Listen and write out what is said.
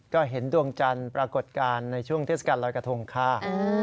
ก็เห็นดวงจันทร์ปรากฏการณ์ในช่วงเทศกาลรอยกระทงค่ะ